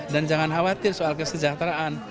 dan jangan khawatir soal kesejahteraan